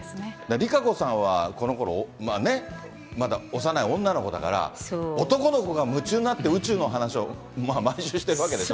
ＲＩＫＡＣＯさんはこのころ、まだ幼い女の子だから、男の子が夢中になって宇宙の話を毎週してるわけでしょ。